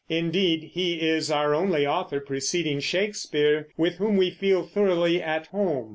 Indeed, he is our only author preceding Shakespeare with whom we feel thoroughly at home.